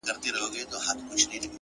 هره تجربه د فکر نوی بُعد دی